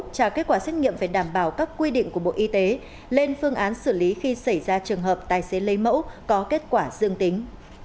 trả kết quả xét nghiệm phải đảm bảo các quy định của bộ y tế lên phương án xử lý khi xảy ra trường hợp tài xế lấy mẫu có kết quả dương tính